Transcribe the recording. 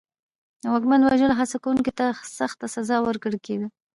د واکمن د وژلو هڅه کوونکي ته سخته سزا ورکول کېده.